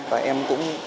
và em cũng